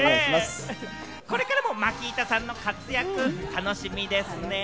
これからもマキータさんの活躍楽しみですね。